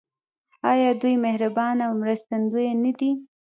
آیا دوی مهربان او مرستندوی نه دي؟